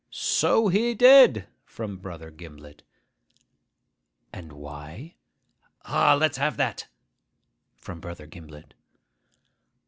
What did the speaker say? ('So he did!' from Brother Gimblet.) 'And why?' ('Ah, let's have that!' from Brother Gimblet.)